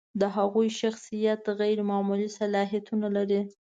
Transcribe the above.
د هغوی شخصیت غیر معمولي صلاحیتونه لري.